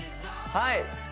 はい！